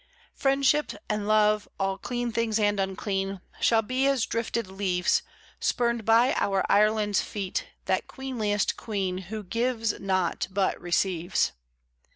Friendship and love, all clean things and unclean, Shall be as drifted leaves, Spurned by our Ireland's feet, that queenliest Queen Who gives not but receives.